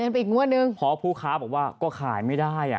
เพราะผู้ค้าบอกว่าก็ขายไม่ได้